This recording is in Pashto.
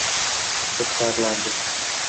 تر کار لاندې ده.